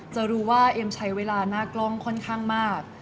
จะรู้ว่าเอมใช้เวลาหน้ากล้องค่ะ